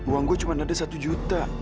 uang gua cuma ada satu juta